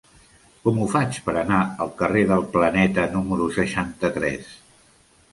Com ho faig per anar al carrer del Planeta número seixanta-tres?